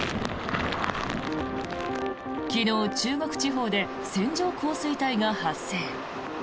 昨日、中国地方で線状降水帯が発生。